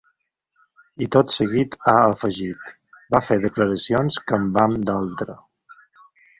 I tot seguit ha afegit: Va fer declaracions que em van doldre.